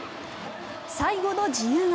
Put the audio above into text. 最後の自由形。